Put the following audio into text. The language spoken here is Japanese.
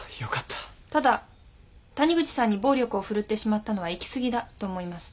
ただ谷口さんに暴力を振るってしまったのは行き過ぎだと思います。